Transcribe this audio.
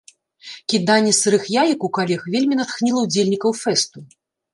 Кіданне сырых яек у калег вельмі натхніла ўдзельнікаў фэсту.